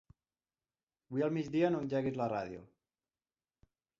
Avui al migdia no engeguis la ràdio.